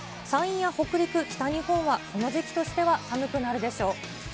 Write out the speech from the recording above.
山陰や北陸、北日本は、この時期としては寒くなるでしょう。